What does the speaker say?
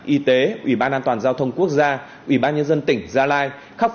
y tế ủy ban an toàn giao thông quốc gia ủy ban nhân dân tỉnh gia lai